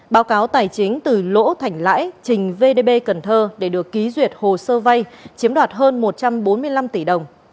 báo cáo tài chính từ lỗ thành lãi trình vdb cần thơ để được ký duyệt hồ sơ vay chiếm đoạt hơn một trăm bốn mươi năm tỷ đồng